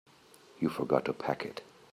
You forgot to pack it.